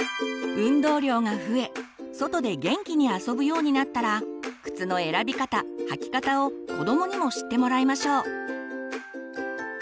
運動量が増え外で元気に遊ぶようになったら靴の選び方履き方を子どもにも知ってもらいましょう。